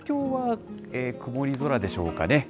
東京は曇り空でしょうかね、